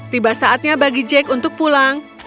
tiba saatnya bagi jake untuk pulang